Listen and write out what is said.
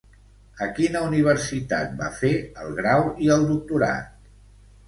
A quina universitat va fer el grau i el doctorat?